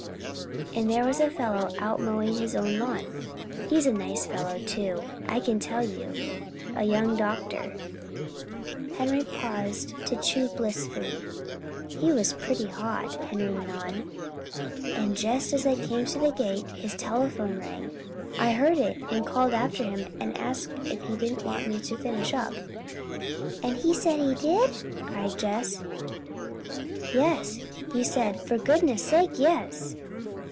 And there was a fellow out mowing his own lawn. He's a nice fellow, too, I can tell you a young doctor." Henry paused to chew blissfully. "He was pretty hot," Henry went on. "And just as I came to the gate, his telephone rang. I heard it, and called after him and asked if he didn't want me to finish up." "And he said he did!" cried Jess. "Yes. He said, 'For goodness' sake, yes!'"